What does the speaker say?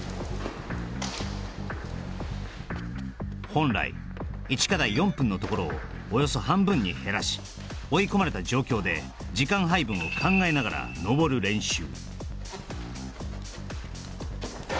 本来１課題４分のところをおよそ半分に減らし追い込まれた状況で時間配分を考えながら登る練習